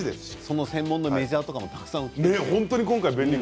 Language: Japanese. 専門のメジャーなんかもたくさん売っているのね。